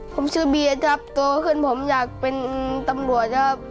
ผมชื่อเบียร์ครับโตขึ้นผมอยากเป็นตำรวจครับ